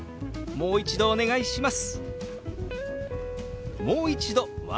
「もう一度お願いします」。